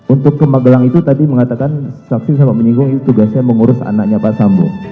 untuk ke magelang itu tadi mengatakan saksi sama menyinggung itu tugasnya mengurus anaknya pak sambo